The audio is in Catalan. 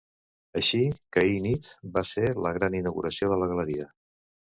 Així que ahir nit va ser la gran inauguració de la galeria.